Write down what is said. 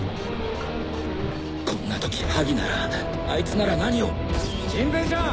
こんな時ハギならあいつなら何を陣平ちゃん！